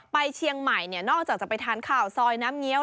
ไปเชียงใหม่เนี่ยนอกจากจะไปทานข้าวซอยน้ำเงี้ย